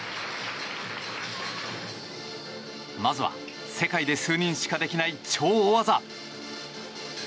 まずは世界で数人しかできない超大技。